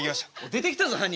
出てきたぞ犯人。